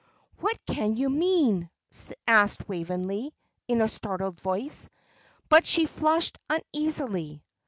"What can you mean?" asked Waveney, in a startled voice; but she flushed uneasily.